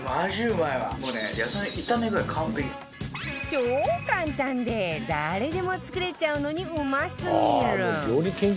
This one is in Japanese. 超簡単で誰でも作れちゃうのにうますぎる！